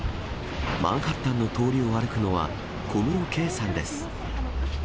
マンハッタンの通りを歩くのは、小室圭さんです。